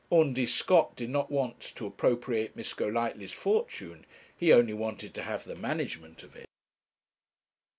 Undy Scott did not want to appropriate Miss Golightly's fortune, he only wanted to have the management of it.